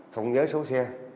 không nhớ số xe